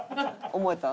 思えた？